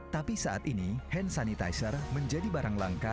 tapi saat ini hand sanitizer menjadi barang langka